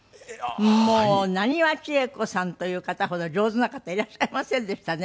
もう浪花千栄子さんという方ほど上手な方いらっしゃいませんでしたね。